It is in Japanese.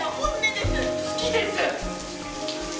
好きです。